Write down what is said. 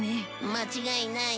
間違いない。